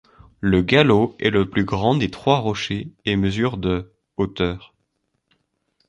Le Gallo est le plus grand des trois rochers et mesure de hauteur.